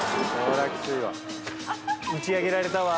打ち上げられたわぁ。